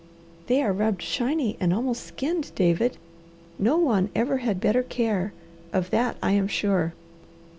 "They are rubbed shiny and almost skinned, David. No one ever had better care, of that I am sure.